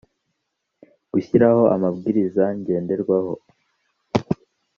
gushyiraho amabwiriza ngenderwaho